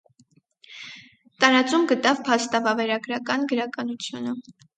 Տարածում գտավ փաստավավերագրական գրականությունը։